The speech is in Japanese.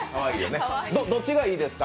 どっちがいいですか？